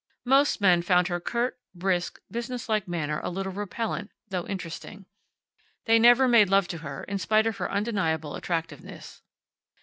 Most men found her curt, brisk, businesslike manner a little repellent, though interesting. They never made love to her, in spite of her undeniable attractiveness.